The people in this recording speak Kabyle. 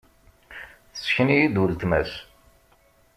Tesseken-iyi-d uletma-s.